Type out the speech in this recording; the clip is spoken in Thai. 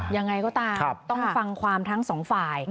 ยังไงก็ตามต้องฟังความทั้งสองฝ่าย